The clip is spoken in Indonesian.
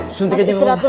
mas istirahat dulu mas